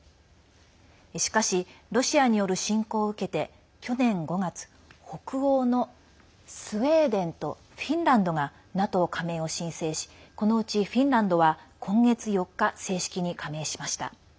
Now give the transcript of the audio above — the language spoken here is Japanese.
しかし、ロシアによる侵攻を受けて、去年５月北欧のスウェーデンとフィンランドがＮＡＴＯ加盟を申請しこのうちフィンランドは今月４日、正式に加盟しました。